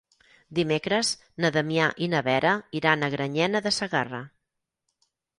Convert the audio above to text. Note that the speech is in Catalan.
Dimecres na Damià i na Vera iran a Granyena de Segarra.